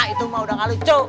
itu mah udah kalucu